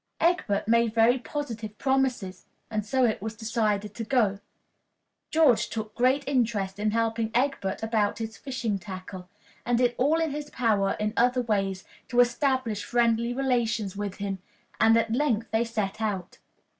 Egbert made very positive promises, and so it was decided to go. George took great interest in helping Egbert about his fishing tackle, and did all in his power in other ways to establish friendly relations with him, and at length they set out.